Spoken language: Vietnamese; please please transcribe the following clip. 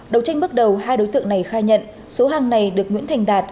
đầu tranh bước đầu hai đối tượng này khai nhận số hàng này được nguyễn thành đạt